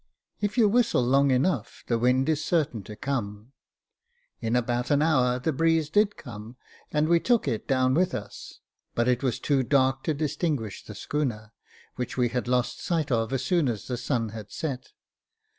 If you whistle long enough the wind is certain to come. In about an hour the breeze did come, and we took it down with us 5 but it was too dark to distinguish the schooner, which we had lost sight of as soon as the sun had set.